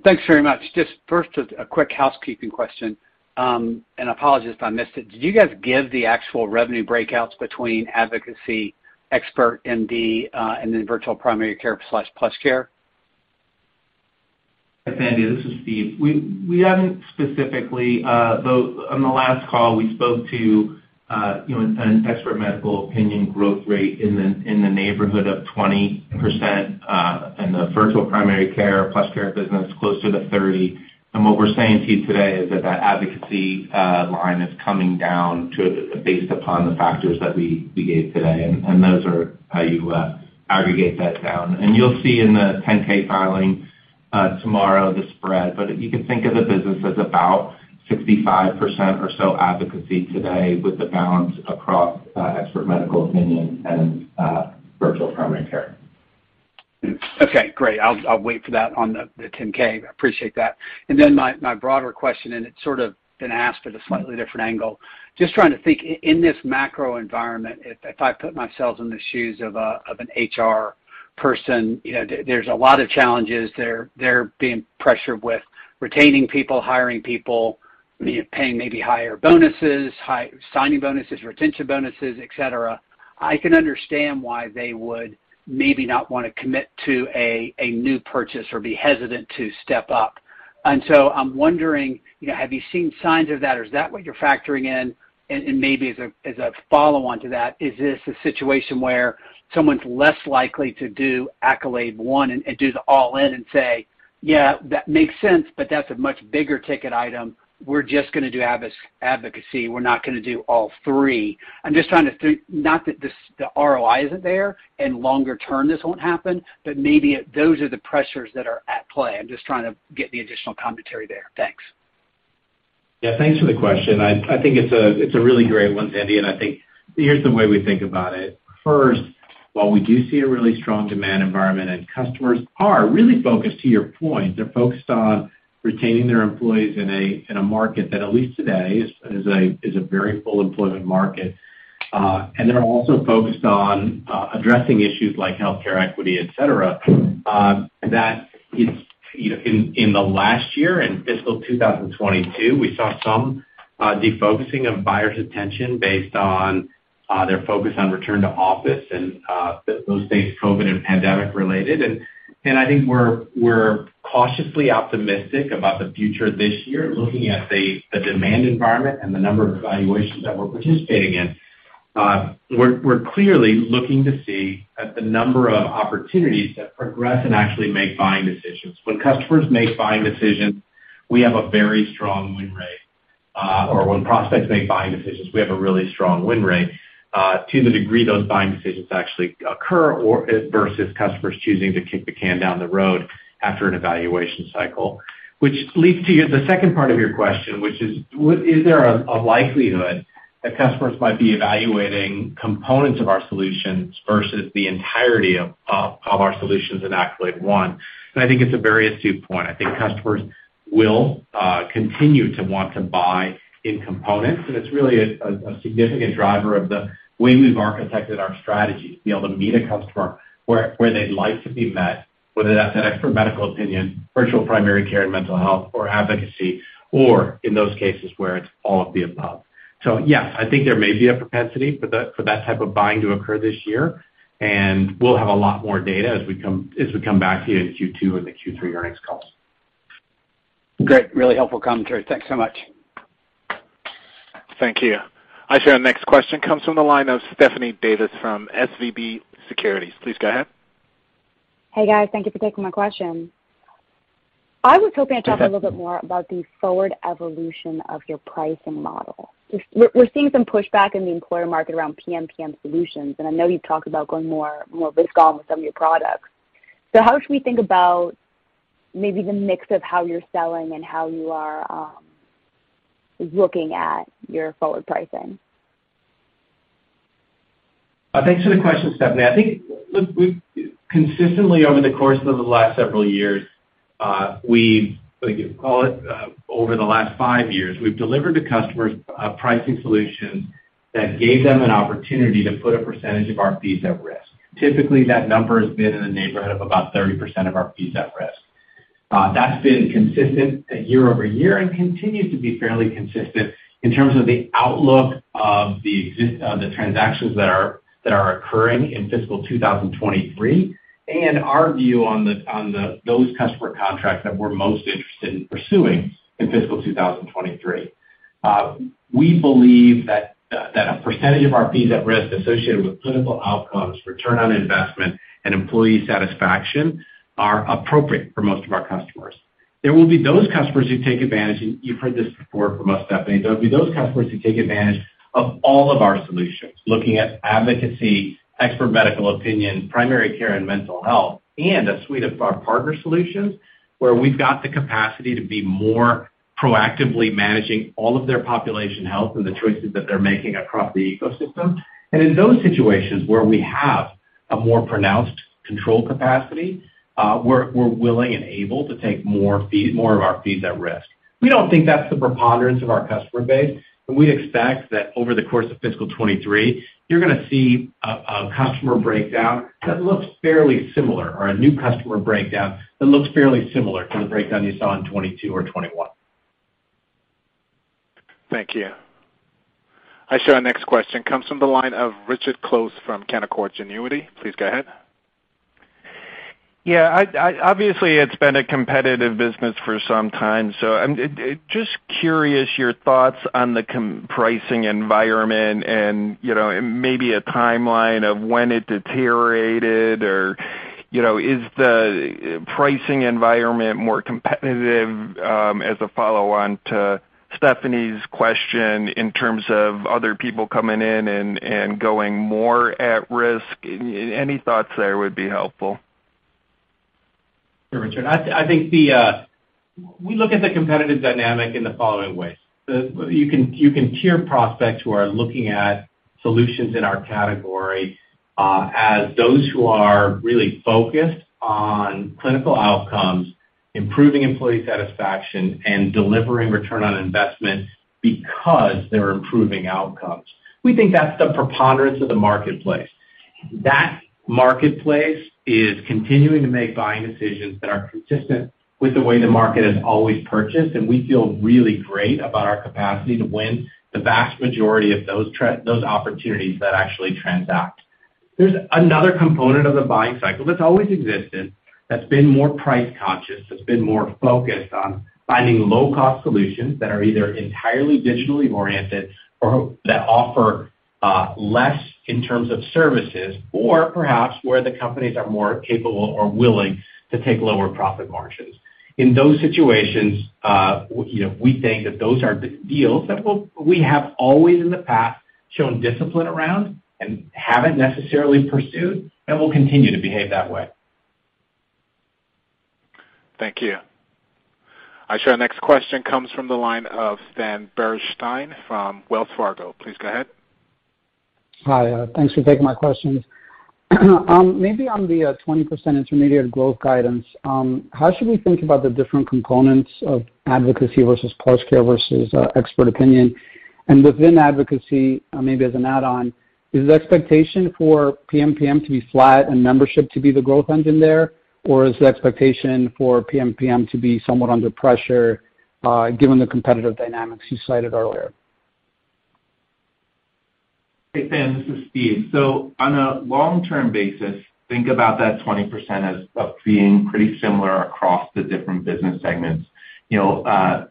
Speaker 13: Thanks very much. Just first a quick housekeeping question, and apologies if I missed it. Did you guys give the actual revenue breakouts between advocacy, Expert MD, and then virtual primary care/plus care?
Speaker 4: Sandy, this is Steve. We haven't specifically. Though on the last call, we spoke to, you know, an expert medical opinion growth rate in the neighborhood of 20%, and the virtual primary care plus care business closer to 30%. What we're saying to you today is that that advocacy line is coming down to, based upon the factors that we gave today, and those are how you aggregate that down. You'll see in the 10-K filing, tomorrow the spread. You can think of the business as about 65% or so advocacy today with the balance across, expert medical opinion and, virtual primary care.
Speaker 13: Okay, great. I'll wait for that on the 10-K. I appreciate that. My broader question, and it's sort of been asked at a slightly different angle. Just trying to think in this macro environment, if I put myself in the shoes of an HR person, you know, there's a lot of challenges. They're being pressured with retaining people, hiring people, you know, paying maybe higher bonuses, high signing bonuses, retention bonuses, et cetera. I can understand why they would maybe not want to commit to a new purchase or be hesitant to step up. I'm wondering, you know, have you seen signs of that or is that what you're factoring in? Maybe as a follow-on to that, is this a situation where someone's less likely to do Accolade One and do the all in and say, "Yeah, that makes sense, but that's a much bigger ticket item. We're just going to do advocacy. We're not going to do all three." I'm just trying to think, not that the ROI isn't there and longer term this won't happen, but maybe those are the pressures that are at play. I'm just trying to get the additional commentary there. Thanks.
Speaker 4: Yeah. Thanks for the question. I think it's a really great one, Sandy, and I think here's the way we think about it. First, while we do see a really strong demand environment, and customers are really focused, to your point, they're focused on retaining their employees in a market that at least today is a very full employment market. They're also focused on addressing issues like healthcare equity, et cetera, that is, you know, in the last year, in fiscal 2022, we saw some defocusing of buyers' attention based on their focus on return to office and those things COVID and pandemic related. I think we're cautiously optimistic about the future this year. Looking at the demand environment and the number of evaluations that we're participating in, we're clearly looking to see the number of opportunities that progress and actually make buying decisions. When customers make buying decisions, we have a very strong win rate. When prospects make buying decisions, we have a really strong win rate, to the degree those buying decisions actually occur, or versus customers choosing to kick the can down the road after an evaluation cycle, which leads to the second part of your question, which is what is there a likelihood that customers might be evaluating components of our solutions versus the entirety of our solutions in Accolade One? I think it's a very astute point. I think customers will continue to want to buy in components, and it's really a significant driver of the way we've architected our strategy to be able to meet a customer where they'd like to be met, whether that's an expert medical opinion, virtual primary care and mental health or advocacy, or in those cases where it's all of the above. Yes, I think there may be a propensity for that type of buying to occur this year, and we'll have a lot more data as we come back to you in Q2 and the Q3 earnings calls.
Speaker 13: Great. Really helpful commentary. Thanks so much.
Speaker 1: Thank you. Our next question comes from the line of Stephanie Davis from SVB Securities. Please go ahead.
Speaker 14: Hey, guys. Thank you for taking my question. I was hoping to talk a little bit more about the forward evolution of your pricing model. Just we're seeing some pushback in the employer market around PMPM solutions, and I know you've talked about going more risk on with some of your products. How should we think about maybe the mix of how you're selling and how you are looking at your forward pricing?
Speaker 3: Thanks for the question, Stephanie. I think, look, we've consistently over the course of the last several years, call it over the last 5 years, we've delivered to customers a pricing solution that gave them an opportunity to put a percentage of our fees at risk. Typically, that number has been in the neighborhood of about 30% of our fees at risk. That's been consistent year-over-year and continues to be fairly consistent in terms of the outlook of the transactions that are occurring in fiscal 2023 and our view on those customer contracts that we're most interested in pursuing in fiscal 2023. We believe that a percentage of our fees at risk associated with clinical outcomes, return on investment, and employee satisfaction are appropriate for most of our customers. There will be those customers who take advantage, and you've heard this before from us, Stephanie. There'll be those customers who take advantage of all of our solutions, looking at advocacy, expert medical opinion, primary care and mental health, and a suite of our partner solutions where we've got the capacity to be more proactively managing all of their population health and the choices that they're making across the ecosystem. In those situations where we have a more pronounced control capacity, we're willing and able to take more of our fees at risk. We don't think that's the preponderance of our customer base, but we expect that over the course of fiscal 2023, you're gonna see a customer breakdown that looks fairly similar or a new customer breakdown that looks fairly similar to the breakdown you saw in 2022 or 2021.
Speaker 1: Thank you. I show our next question comes from the line of Richard Close from Canaccord Genuity. Please go ahead.
Speaker 15: Yeah, obviously it's been a competitive business for some time, so I'm just curious your thoughts on the pricing environment and, you know, and maybe a timeline of when it deteriorated or, you know, is the pricing environment more competitive, as a follow-on to Stephanie's question in terms of other people coming in and going more at risk? Any thoughts there would be helpful.
Speaker 3: Sure, Richard. I think we look at the competitive dynamic in the following ways. You can tier prospects who are looking at solutions in our category as those who are really focused on clinical outcomes, improving employee satisfaction, and delivering return on investment because they're improving outcomes. We think that's the preponderance of the marketplace. That marketplace is continuing to make buying decisions that are consistent with the way the market has always purchased, and we feel really great about our capacity to win the vast majority of those opportunities that actually transact. There's another component of the buying cycle that's always existed, that's been more price conscious, that's been more focused on finding low-cost solutions that are either entirely digitally oriented or that offer less in terms of services or perhaps where the companies are more capable or willing to take lower profit margins. In those situations, you know, we think that those are deals that we have always in the past shown discipline around and haven't necessarily pursued and will continue to behave that way.
Speaker 1: Thank you. I show our next question comes from the line of Stan Berenshteyn from Wells Fargo. Please go ahead.
Speaker 16: Hi, thanks for taking my questions. Maybe on the 20% intermediate growth guidance, how should we think about the different components of advocacy versus PlushCare versus expert opinion? Within advocacy, maybe as an add-on, is the expectation for PMPM to be flat and membership to be the growth engine there, or is the expectation for PMPM to be somewhat under pressure, given the competitive dynamics you cited earlier?
Speaker 4: Hey, Stan, this is Steve. On a long-term basis, think about that 20% as, of being pretty similar across the different business segments. You know,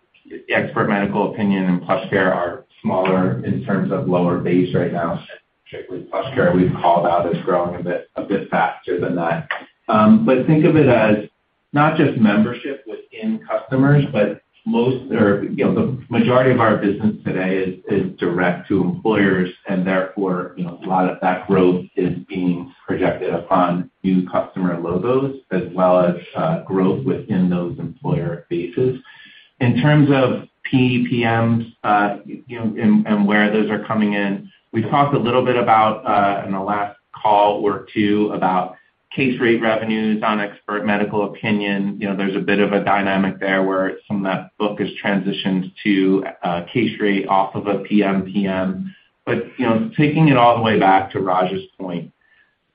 Speaker 4: expert medical opinion and PlushCare are smaller in terms of lower base right now. Particularly PlushCare, we've called out, is growing a bit faster than that. But think of it as not just membership within customers, but most or, you know, the majority of our business today is direct to employers, and therefore, you know, a lot of that growth is being projected upon new customer logos as well as, growth within those employer bases. In terms of PEPMs, you know, and where those are coming in, we've talked a little bit about, in the last call or two about case rate revenues on expert medical opinion. You know, there's a bit of a dynamic there where some of that book is transitioned to a case rate off of a PMPM. You know, taking it all the way back to Raj's point,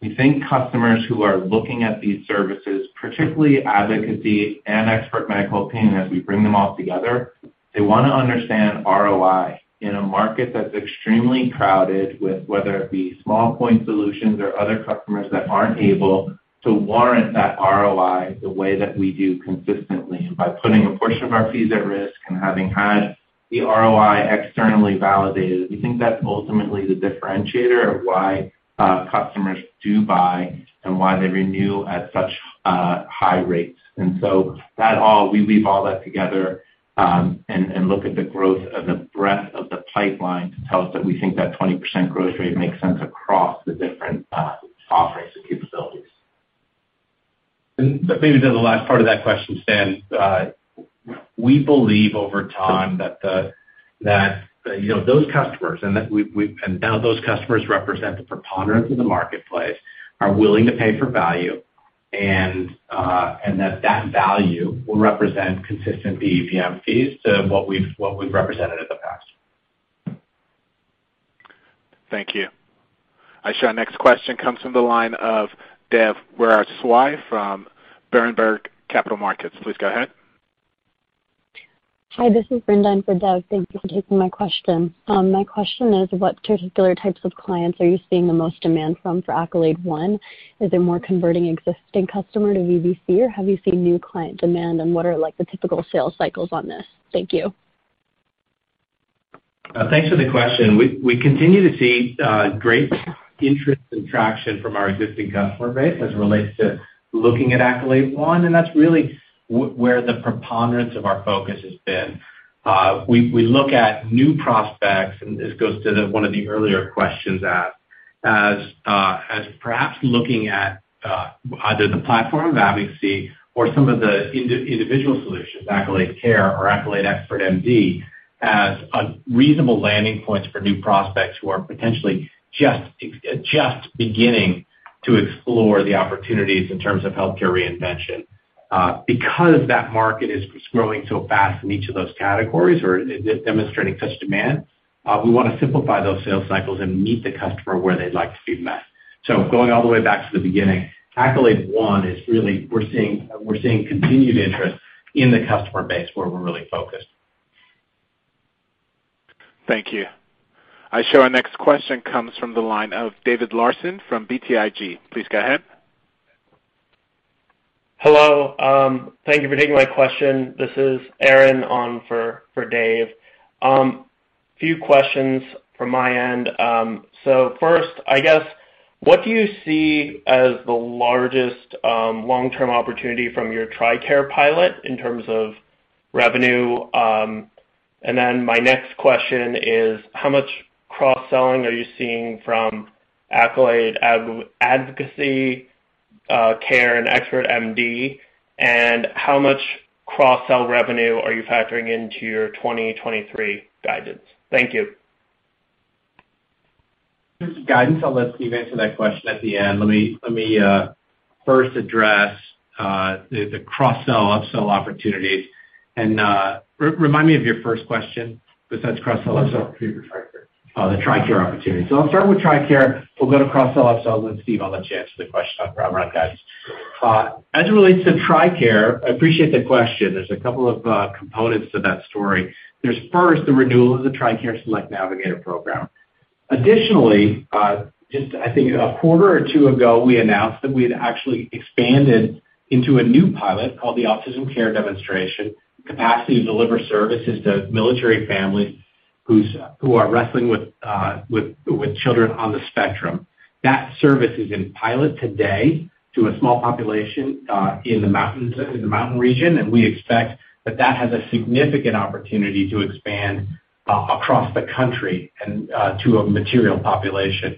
Speaker 4: we think customers who are looking at these services, particularly advocacy and expert medical opinion as we bring them all together, they wanna understand ROI in a market that's extremely crowded with whether it be small point solutions or other customers that aren't able to warrant that ROI the way that we do consistently. By putting a portion of our fees at risk and having had the ROI externally validated, we think that's ultimately the differentiator of why customers do buy and why they renew at such high rates. We weave all that together, and look at the growth of the breadth of the pipeline to tell us that we think that 20% growth rate makes sense across the different offerings and capabilities.
Speaker 3: Maybe to the last part of that question, Stan, we believe over time that you know those customers and now those customers represent the preponderance of the marketplace are willing to pay for value and that value will represent consistent PEPM fees to what we've represented in the past.
Speaker 1: Thank you. I show our next question comes from the line of Dev Veraswamy from Berenberg Capital Markets. Please go ahead.
Speaker 17: Hi, this is Brenda in for Dev. Thank you for taking my question. My question is, what particular types of clients are you seeing the most demand from for Accolade One? Is it more converting existing customer to VBC, or have you seen new client demand, and what are, like, the typical sales cycles on this? Thank you.
Speaker 3: Thanks for the question. We continue to see great interest and traction from our existing customer base as it relates to looking at Accolade One, and that's really where the preponderance of our focus has been. We look at new prospects, and this goes to one of the earlier questions asked, as perhaps looking at either the platform of advocacy or some of the individual solutions, Accolade Care or Accolade Expert MD, as reasonable landing points for new prospects who are potentially just beginning to explore the opportunities in terms of healthcare reinvention. Because that market is growing so fast in each of those categories or demonstrating such demand, we wanna simplify those sales cycles and meet the customer where they'd like to be met. Going all the way back to the beginning, Accolade One is really, we're seeing continued interest in the customer base where we're really focused.
Speaker 1: Thank you. Our next question comes from the line of David Larsen from BTIG. Please go ahead.
Speaker 18: Hello. Thank you for taking my question. This is Aaron on for Dave. Few questions from my end. First, I guess, what do you see as the largest long-term opportunity from your TRICARE pilot in terms of revenue? My next question is, how much cross-selling are you seeing from Accolade Advocacy, Care and Expert MD, and how much cross-sell revenue are you factoring into your 2023 guidance? Thank you.
Speaker 3: Guidance, I'll let Steve answer that question at the end. Let me first address the cross-sell, up-sell opportunities. Remind me of your first question besides cross-sell, up-sell.
Speaker 4: TRICARE.
Speaker 3: The TRICARE opportunity. I'll start with TRICARE. We'll go to cross-sell, up-sells, and Steve, I'll let you answer the question on revenue guidance. As it relates to TRICARE, I appreciate the question. There's a couple of components to that story. There's first the renewal of the TRICARE Select Navigator program. Additionally, just I think a quarter or two ago, we announced that we had actually expanded into a new pilot called the Autism Care Demonstration, capacity to deliver services to military families who are wrestling with children on the spectrum. That service is in pilot today to a small population in the mountains, in the mountain region, and we expect that has a significant opportunity to expand across the country and to a material population.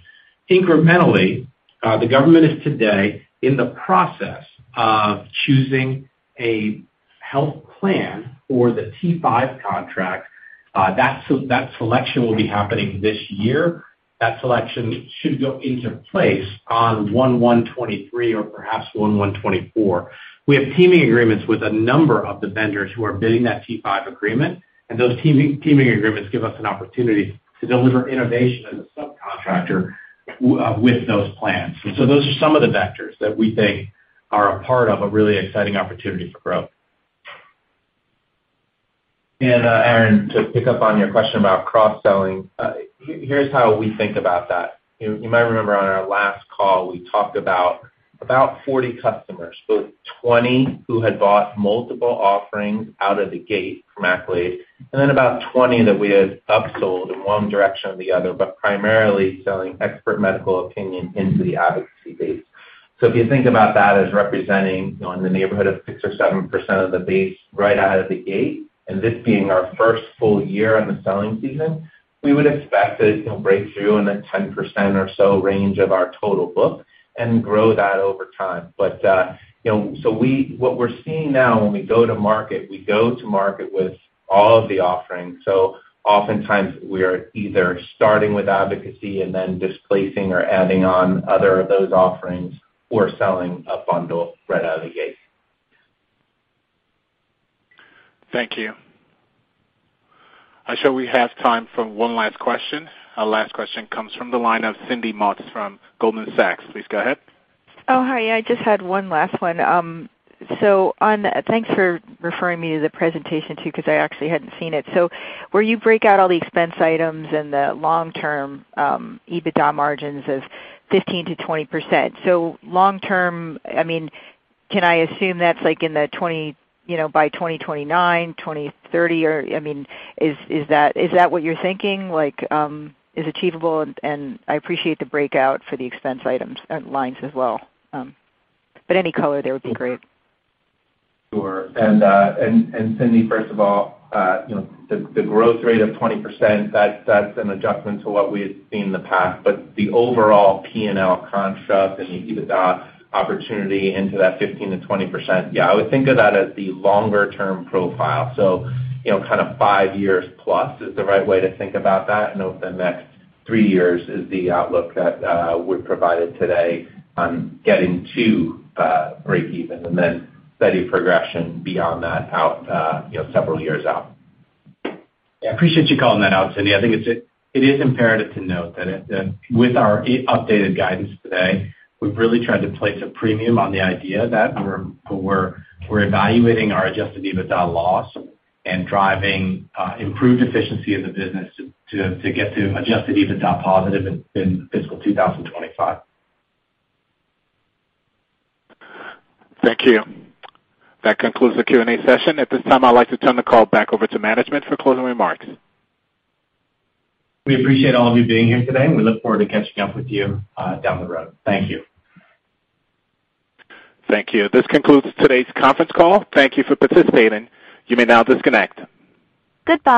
Speaker 3: Incrementally, the government is today in the process of choosing a health plan for the T-5 contract. That selection will be happening this year. That selection should go into place on 1/1/2023 or perhaps 1/1/2024. We have teaming agreements with a number of the vendors who are bidding that T-5 agreement, and those teaming agreements give us an opportunity to deliver innovation as a subcontractor with those plans. Those are some of the vectors that we think are a part of a really exciting opportunity for growth.
Speaker 4: Aaron, to pick up on your question about cross-selling, here's how we think about that. You might remember on our last call, we talked about 40 customers, so 20 who had bought multiple offerings out of the gate from Accolade, and then about 20 that we had up-sold in one direction or the other, but primarily selling expert medical opinion into the advocacy base. If you think about that as representing, you know, in the neighborhood of 6 or 7% of the base right out of the gate, and this being our first full year on the selling season, we would expect that it'll break through in the 10% or so range of our total book and grow that over time. You know, what we're seeing now when we go to market, we go to market with all of the offerings. Oftentimes we are either starting with advocacy and then displacing or adding on other of those offerings or selling a bundle right out of the gate.
Speaker 1: Thank you. I show we have time for one last question. Our last question comes from the line of Cindy Motz from Goldman Sachs. Please go ahead.
Speaker 11: Oh, hi. I just had one last one. Thanks for referring me to the presentation, too, 'cause I actually hadn't seen it. Where you break out all the expense items and the long-term EBITDA margins of 15%-20%. Long term, I mean, can I assume that's like in the 20s, you know, by 2029, 2030, or, I mean, is that what you're thinking? Like, is achievable and I appreciate the breakout for the expense items, lines as well. Any color there would be great.
Speaker 4: Sure. Cindy, first of all, you know, the growth rate of 20%, that's an adjustment to what we had seen in the past. The overall P&L construct and the EBITDA opportunity into that 15%-20%, yeah, I would think of that as the longer term profile. You know, kind of 5 years+ is the right way to think about that. Over the next 3 years is the outlook that we've provided today on getting to breakeven and then steady progression beyond that out, you know, several years out.
Speaker 3: Yeah, I appreciate you calling that out, Cindy. I think it is imperative to note that with our updated guidance today, we've really tried to place a premium on the idea that we're evaluating our adjusted EBITDA loss and driving improved efficiency in the business to get to adjusted EBITDA positive in fiscal 2025.
Speaker 1: Thank you. That concludes the Q&A session. At this time, I'd like to turn the call back over to management for closing remarks.
Speaker 4: We appreciate all of you being here today, and we look forward to catching up with you, down the road. Thank you.
Speaker 1: Thank you. This concludes today's conference call. Thank you for participating. You may now disconnect. Goodbye.